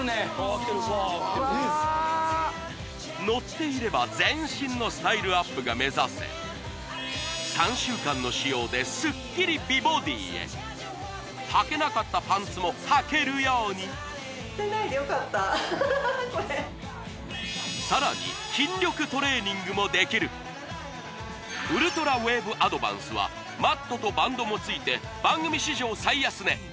乗っていれば全身のスタイルアップが目指せ３週間の使用でスッキリ美ボディへはけなかったパンツもはけるようにさらに筋力トレーニングもできるウルトラウェーブアドバンスはマットとバンドもついて番組史上最安値